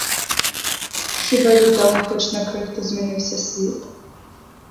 Хіба від того хоч на крихту зміниться світ?